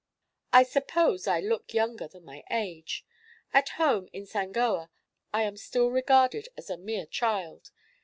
"I suppose I look younger than my age. At home, in Sangoa, I am still regarded as a mere child.